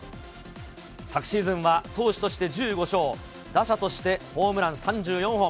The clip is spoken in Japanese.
昨シーズンは投手として１５勝、打者としてホームラン３４本。